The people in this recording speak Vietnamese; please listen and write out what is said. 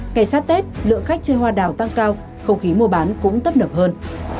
ngày sát tết lượng khách chơi hoa đào tăng cao không khí mua bán cũng tấp nập hơn